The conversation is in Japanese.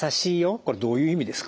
これどういう意味ですか？